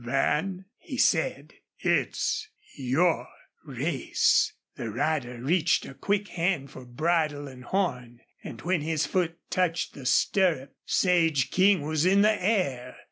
"Van," he said, "it's your race." The rider reached a quick hand for bridle and horn, and when his foot touched the stirrup Sage King was in the air.